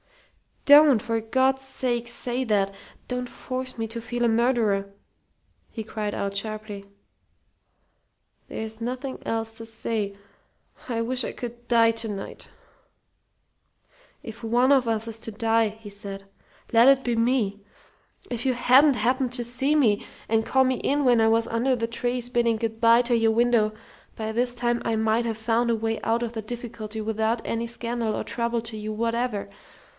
"Don't, for God's sake, say that! Don't force me to feel a murderer!" he cried out, sharply. "There's nothing else to say. I wish I could die to night." "If one of us is to die," he said, "let it be me. If you hadn't happened to see me and call me in when I was under the trees bidding good bye to your window, by this time I might have found a way out of the difficulty without any scandal or trouble to you whatever.